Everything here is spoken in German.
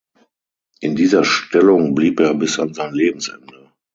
In dieser Stellung blieb er bis an sein Lebensende.